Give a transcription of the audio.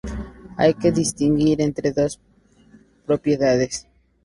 Hay que distinguir entre dos propiedades.